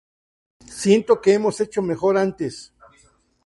Siento que hemos hecho mejor que antes".